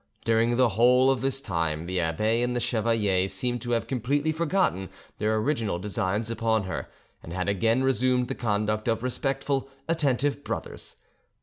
During the whole of this time the abbe and the chevalier seemed to have completely forgotten their original designs upon her, and had again resumed the conduct of respectful, attentive brothers.